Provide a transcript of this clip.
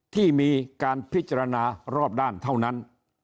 ที่มีการพิจารณารอบด้านเท่านั้น